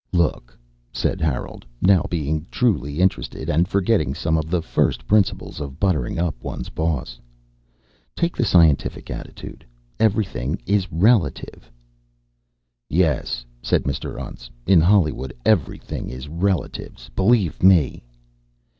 "Look," said Harold now being truly interested and forgetting some of the first principles of buttering up one's boss, "take the scientific attitude. Everything is relative." "Yes," said Mr. Untz, "In Hollywood everything is relatives, believe me."